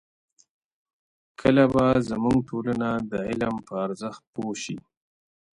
کله به زموږ ټولنه د علم په ارزښت پوه شي؟